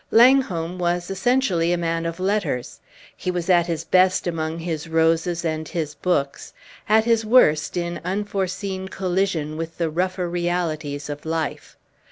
Langholm was essentially a man of letters. He was at his best among his roses and his books, at his worst in unforeseen collision with the rougher realities of life.